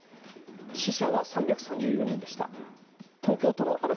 死者は３３４人でした。